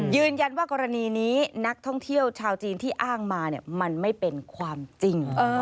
ยืนยันว่ากรณีนี้นักท่องเที่ยวชาวจีนที่อ้างมามันไม่เป็นความจริง